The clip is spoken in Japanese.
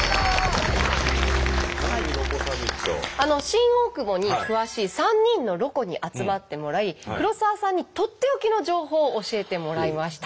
新大久保に詳しい３人のロコに集まってもらい黒沢さんにとっておきの情報を教えてもらいました。